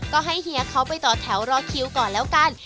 ก็ให้เฮียเขาไปต่อแถวรอคิวก่อนแล้วกัน